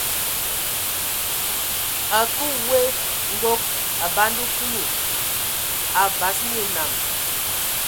A kǝə we nkog, a banda Kulu, a vas nye enam.